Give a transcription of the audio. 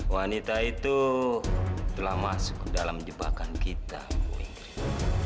wanita itu telah masuk dalam jebakan kita bu inggris